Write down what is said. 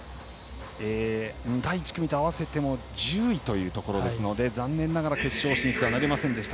第１組と合わせても１０位なので残念ながら決勝進出はなりませんでした。